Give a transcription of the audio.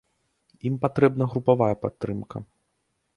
Ім патрэбна групавая падтрымка.